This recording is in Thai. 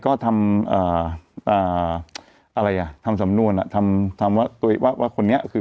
ก็ทำอะไรอ่ะทำสำนวนอ่ะทำทำว่าตัวเองว่าว่าคนนี้คือ